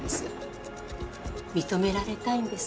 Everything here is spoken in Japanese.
認められたいんです